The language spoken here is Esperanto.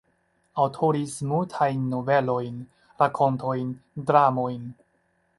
Aŭtoris multajn novelojn, rakontojn, dramojn.